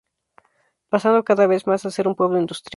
Pasando cada vez más a ser un pueblo industrial.